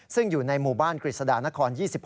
ซึ่งอยู่ในหมู่บ้านกฤษฎานคร๒๖